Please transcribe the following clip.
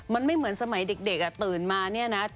มันไม่เหมือนสมัยเด็กตื่นมาเนี่ยนะ